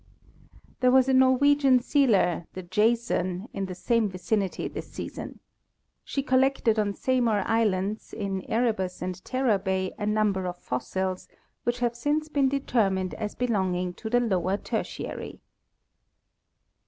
There was a Norwegian sealer, the Jason, in the same vicinity this season. She collected on Seymour island, in Erebus and Terror bay, a number of fossils, which have since been deter mined as belonging to the lower tertiary.